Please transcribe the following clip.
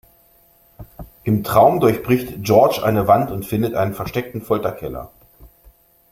Im Traum durchbricht George eine Wand und findet einen versteckten Folterkeller.